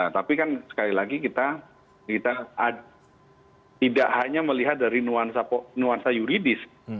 tapi kan sekali lagi kita tidak hanya melihat dari nuansa yuridis